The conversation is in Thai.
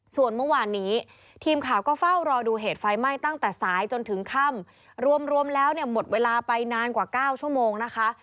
ส่วนเมื่อวานนี้ทีมข่าวก็เฝ้ารอดูเหตุไฟไหม้ตั้งแต่สายจนถึงค่ำรวมแล้วเนี่ยหมดเวลาไปนานกว่า๙ชั่วโมงนะคะ